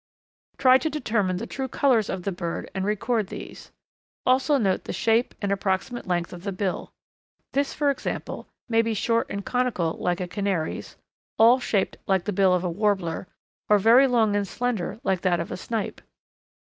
Try to determine the true colours of the birds and record these. Also note the shape and approximate length of the bill. This, for example, may be short and conical like a Canary's, awl shaped like the bill of a Warbler, or very long and slender like that of a Snipe.